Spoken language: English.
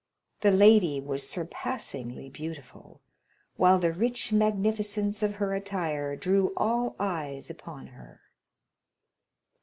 The lady was surpassingly beautiful, while the rich magnificence of her attire drew all eyes upon her.